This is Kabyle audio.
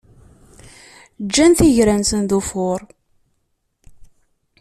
Ǧǧan tigra-nsen d ufur.